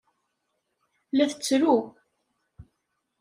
La tettru.